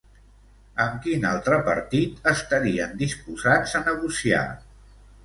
Amb quin altre partit estarien disposats a negociar?